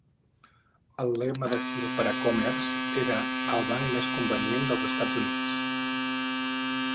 El lema de Hill per a Commerce era "el banc més convenient dels Estats Units".